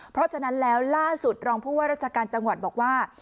เพราะฉะนั้นแล้วล่าสุดรองผู้ว่าราชการจังหวัดบอกว่า